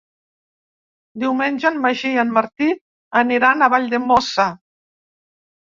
Diumenge en Magí i en Martí aniran a Valldemossa.